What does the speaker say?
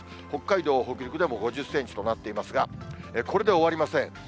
北海道、北陸でも５０センチとなっていますが、これで終わりません。